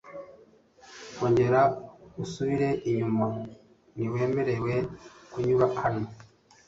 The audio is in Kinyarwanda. Ongera usubire inyuma ntiwemerewe kunyura hano